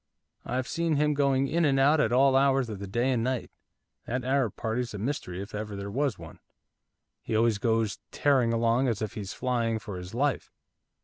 I've seen him going in and out at all hours of the day and night, that Arab party's a mystery if ever there was one, he always goes tearing along as if he's flying for his life.